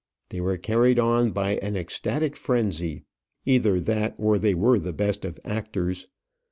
They were carried on by an ecstatic frenzy; either that or they were the best of actors.